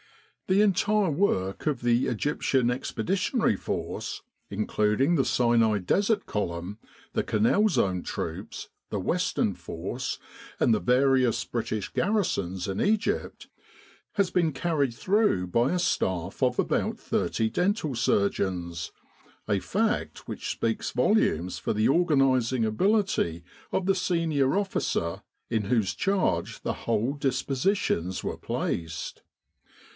204 Army Dental Surgery in Egypt The entire work of the E.E.F., including the Sinai Desert Column, the Canal Zone Troops, the Western Force, and the various British garrisons in Egypt, has been carried through by a staff of about thirty dental surgeons, a fact which speaks volumes for the organising ability of the senior officer in whose charge the whole dispositions were placed.